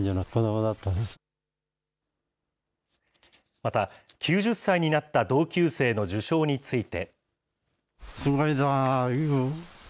また、９０歳になった同級生の受賞について。